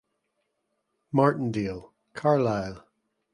Martindale (Carlisle).